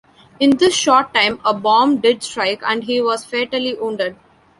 In this short time a bomb did strike and he was fatally wounded.